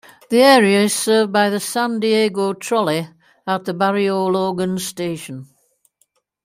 The area is served by the San Diego Trolley at the Barrio Logan station.